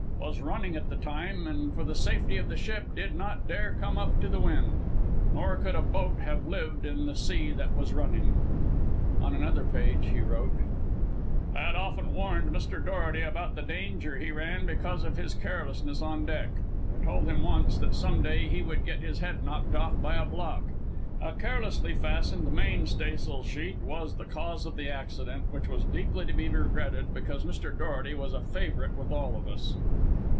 Was running at the time, and for the safety of the ship did not dare come up to the wind. Nor could a boat have lived in the sea that was running." On another page, he wrote "Had often warned Mr. Dorety about the danger he ran because of his carelessness on deck. I told him, once, that some day he would get his head knocked off by a block. A carelessly fastened mainstaysail sheet was the cause of the accident, which was deeply to be regretted because Mr. Dorety was a favourite with all of us."